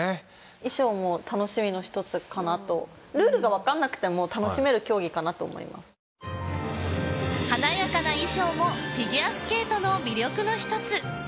衣装も楽しみの一つかなとルールが分かんなくても楽しめる競技かなと思います華やかな衣装もフィギュアスケートの魅力の一つ